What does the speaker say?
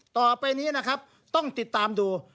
ต่อไปนี้นะครับต้องติดตามดู